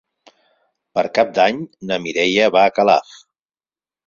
Per Cap d'Any na Mireia va a Calaf.